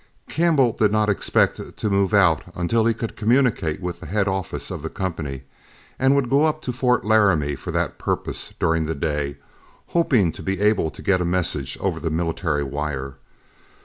Campbell did not expect to move out until he could communicate with the head office of the company, and would go up to Fort Laramie for that purpose during the day, hoping to be able to get a message over the military wire.